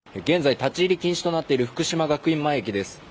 現在、立入禁止となっている福島学院前駅です。